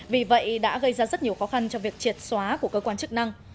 vì vậy đã gây ra rất nhiều khó khăn cho việc triệt xóa của cơ quan chức năng